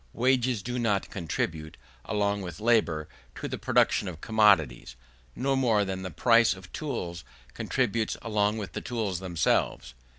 Wages do not contribute, along with labour, to the production of commodities, no more than the price of tools contributes along with the tools themselves.